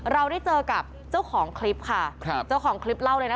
เราได้เจอกับเจ้าของคลิปค่ะครับเจ้าของคลิปเล่าเลยนะ